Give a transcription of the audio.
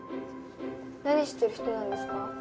何してる人なんですか？